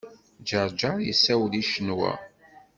Ǧeṛǧeṛ yessawel i Ccenwa.